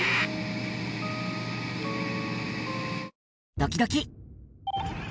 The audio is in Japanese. ドキドキ。